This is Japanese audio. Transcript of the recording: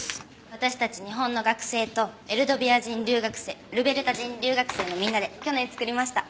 私たち日本の学生とエルドビア人留学生ルベルタ人留学生のみんなで去年作りました。